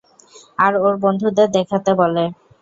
আর ওর বন্ধুদের দেখাতে বলে।